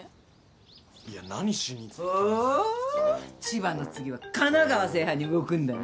千葉の次は神奈川制覇に動くんだな。